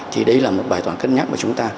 thì đây là một bài toán cân nhắc mà chúng ta